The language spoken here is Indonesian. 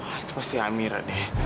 wah itu pasti amira deh